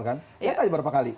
ternyata ada beberapa kali